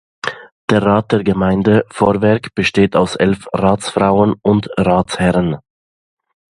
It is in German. Der Rat der Gemeinde Vorwerk besteht aus elf Ratsfrauen und Ratsherren.